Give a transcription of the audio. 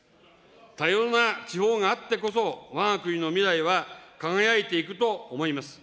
多様な地方があってこそ、わが国の未来は輝いていくと思います。